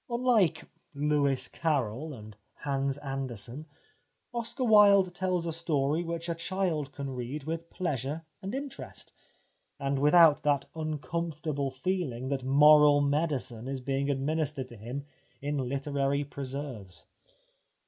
Unlike Lewis Carroll and Hans Andersen Oscar Wilde tells a story which a child can read with pleasure and interest, and without that un comfortable feeling that moral medicine is being administered to him in literary preserves.